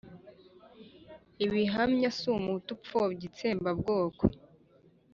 ubihamya si umuhutu upfobya itsembabwoko,